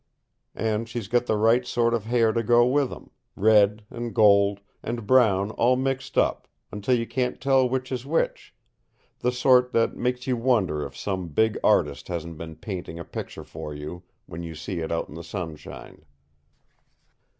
And she's got the right sort of hair to go with 'em red and gold and brown all mixed up, until you can't tell which is which; the sort that makes you wonder if some big artist hasn't been painting a picture for you, when you see it out in the sunshine.